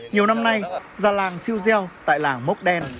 nhiều năm nay gia làng siêu gieo tại làng mốc đen